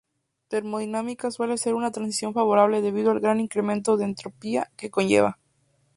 Termodinámicamente suele ser una transición favorable debido al gran incremento de entropía que conlleva.